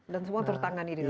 dan semua tertangani dengan baik